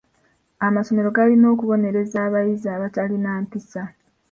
Amasomero galina okubonereba abayizi abatalina mpisa.